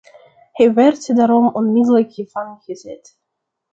Hij werd daarom onmiddellijk gevangengezet.